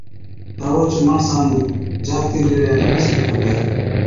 تہ اوهچ ماڻسا نُون جاکتي نِيرڙَي نہ ٻيسڻ کپَي۔